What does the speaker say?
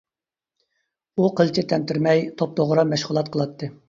ئۇ قىلچە تەمتىرىمەي توپتوغرا مەشغۇلات قىلاتتى.